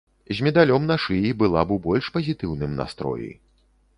З медалём на шыі была б у больш пазітыўным настроі.